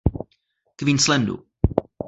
Queenslandu.